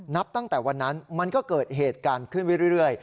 นับตั้งแต่วันนั้นมันก็เกิดเหตุการณ์ขึ้นไว้เรื่อย